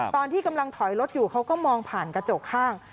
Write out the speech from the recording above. ตอนที่กำลังถอยรถอยู่เขาก็มองผ่านกระจกข้าง